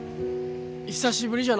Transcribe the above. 久しぶりじゃのう。